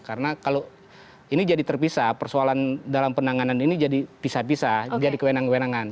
karena kalau ini jadi terpisah persoalan dalam penanganan ini jadi pisah pisah jadi kewenangan kewenangan